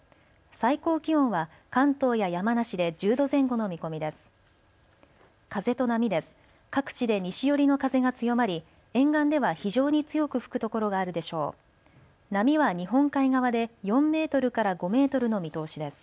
最高気温は関東や山梨で１０度前後の見込みです。